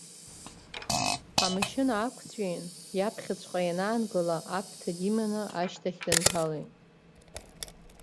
Амашьына аақәҵәиин, иаԥхьаҵәҟьа ианаангыла, Аԥҭа диманы, ашьҭахь дынҭалеит.